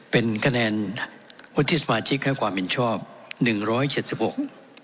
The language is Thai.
เป็นคะแนนวุฒิสมาชิกให้ความเห็นชอบหนึ่งร้อยเจ็ดสิบหก